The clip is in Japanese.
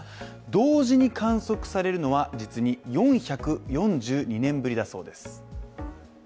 同時に観測されるのは実に４４２年ぶりだそうです。